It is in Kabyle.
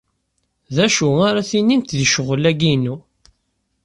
D acu ara tinimt di ccɣel-a-inu?